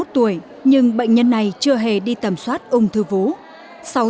năm mươi một tuổi nhưng bệnh nhân này chưa hề đi tẩm soát ung thư vú